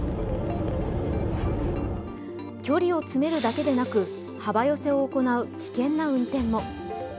距離を詰めるだけでなく、幅寄せを行う危険な運転も。